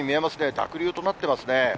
濁流となってますね。